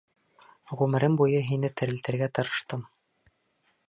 Ғүмерем буйы һине терелтергә тырыштым.